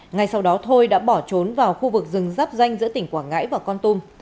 ngay sau đó thôi đã bỏ trốn vào khu vực rừng giáp danh giữa tỉnh quảng ngãi và con tum